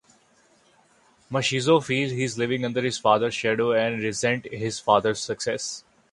Machizo feels he's living under his father's shadow, and resents his father's success.